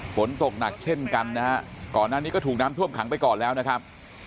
ฝนตกหนักเช่นกันนะฮะก่อนหน้านี้ก็ถูกน้ำท่วมขังไปก่อนแล้วนะครับ